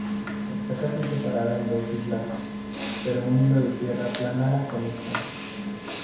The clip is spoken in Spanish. Esta casi separada en dos islas, pero un hilo de tierra plana la conecta.